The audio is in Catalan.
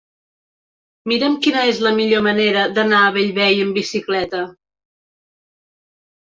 Mira'm quina és la millor manera d'anar a Bellvei amb bicicleta.